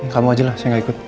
kamu ajalah saya gak ikut